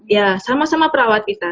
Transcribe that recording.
ya sama sama perawat kita